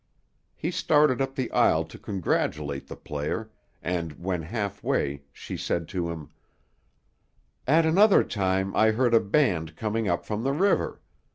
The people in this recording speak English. He started up the aisle to congratulate the player, and when half way she said to him: "At another time I heard a band coming up from the river.